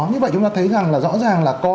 như vậy chúng ta thấy rằng là rõ ràng là có